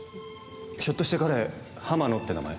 ひょっとして彼浜野って名前？